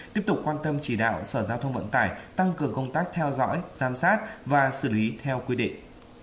tiếp tục quan tâm chỉ đạo sở giao thông vận tải tăng cường công tác theo dõi giám sát và xử lý theo quy định